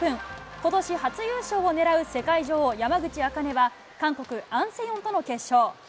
ことし初優勝を狙う世界女王、山口茜は、韓国、アン・セヨンとの決勝。